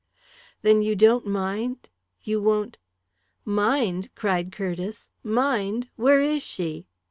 "Then you don't mind? You won't " "Mind!" cried Curtiss. "Mind! Where is she?"